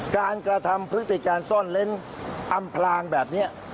กระทำพฤติการซ่อนเล้นอำพลางแบบนี้